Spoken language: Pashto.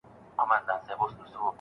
راتلونکی نسل به تر مونږ زيات شعوري وي.